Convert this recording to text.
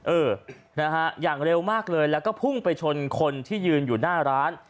เออนะฮะอย่างเร็วมากเลยแล้วก็พุ่งไปชนคนที่ยืนอยู่หน้าร้าน